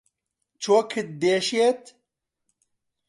چۆکت دێشێت؟